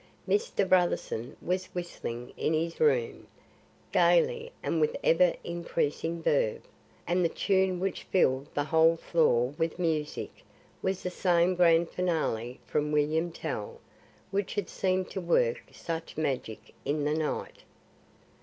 Mr. Brotherson was whistling in his room, gaily and with ever increasing verve, and the tune which filled the whole floor with music was the same grand finale from William Tell which had seemed to work such magic in the night.